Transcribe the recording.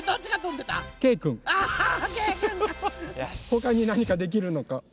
ほかになにかできるのかな？